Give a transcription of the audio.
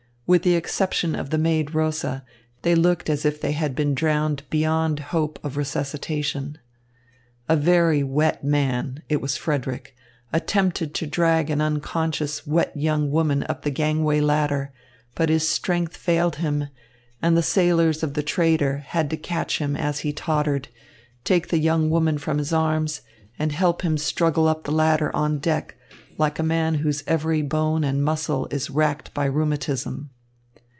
With the exception of the maid Rosa, they looked as if they had been drowned beyond hope of resuscitation. A very wet man it was Frederick attempted to drag an unconscious wet young woman up the gangway ladder, but his strength failed him, and the sailors of the trader had to catch him as he tottered, take the young woman from his arms, and help him struggle up the ladder on deck, like a man whose every bone and muscle is racked by rheumatism.